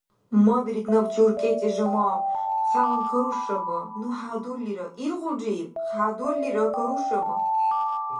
Мабирид набчи уркӀецӀи, Жамав! Хяван карушаба. Ну хӀядурлира. Иргъулрив? ХӀядурлира! Карушаба!